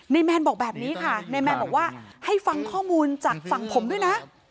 แมนบอกแบบนี้ค่ะนายแมนบอกว่าให้ฟังข้อมูลจากฝั่งผมด้วยนะ